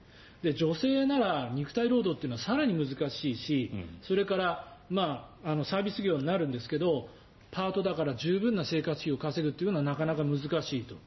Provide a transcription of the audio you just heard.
女性なら、肉体労働というのは更に難しいしそれからサービス業になるんですがパートだから十分な生活費を稼ぐというのはなかなか難しいと。